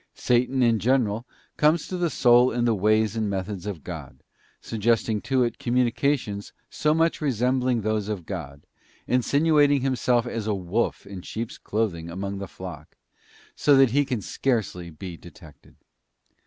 Satan, in general, comes to the soul in the ways and methods of God, suggesting to it communica tions so much resembling those of God, insinuating himself as a wolf in sheep's clothing among the flock, so that he can scarcely be detected.